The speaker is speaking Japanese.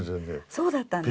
そうだったんですか。